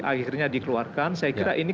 akhirnya dikeluarkan saya kira ini